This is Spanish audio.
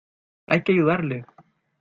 ¡ Hay que ayudarle!